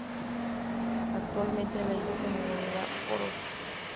Actualmente la isla se denomina Poros.